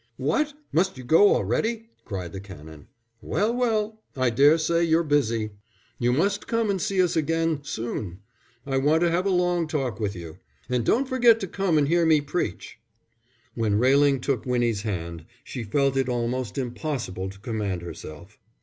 "What, must you go already?" cried the Canon. "Well, well, I daresay you're busy. You must come and see us again, soon; I want to have a long talk with you. And don't forget to come and hear me preach." When Railing took Winnie's hand, she felt it almost impossible to command herself.